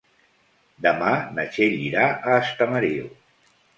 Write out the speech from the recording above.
Demà na Txell irà a Estamariu.